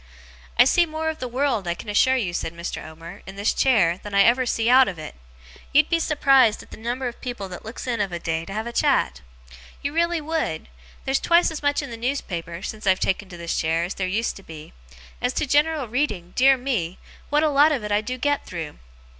'I see more of the world, I can assure you,' said Mr. Omer, 'in this chair, than ever I see out of it. You'd be surprised at the number of people that looks in of a day to have a chat. You really would! There's twice as much in the newspaper, since I've taken to this chair, as there used to be. As to general reading, dear me, what a lot of it I do get through!